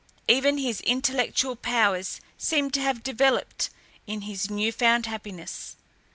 Even his intellectual powers seemed to have developed in his new found happiness.